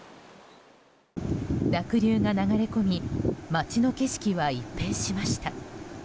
濁流が流れ込み町の景色は一変しました。